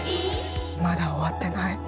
まだ終わってない。